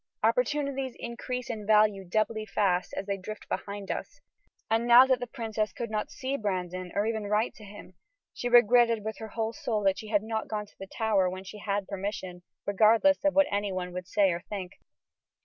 Opportunities increase in value doubly fast as they drift behind us, and now that the princess could not see Brandon, or even write to him, she regretted with her whole soul that she had not gone to the Tower when she had permission, regardless of what any one would say or think.